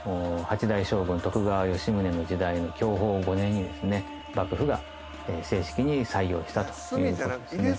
代将軍徳川吉宗の時代の享保５年にですね幕府が正式に採用したということですね